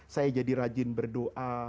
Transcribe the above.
saya jadi rajin berdoa